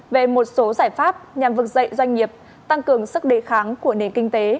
về một số giải pháp nhằm vực dậy doanh nghiệp tăng cường sức đề kháng của nền kinh tế